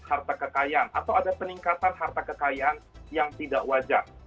atau ada peningkatan harta kekayaan yang tidak wajar